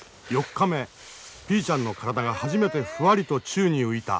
４日目ピーちゃんの体が初めてフワリと宙に浮いた。